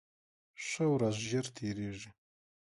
ښه ورځ ژر تېرېږي